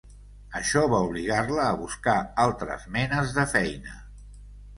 Això va obligar-la a buscar altres menes de feina.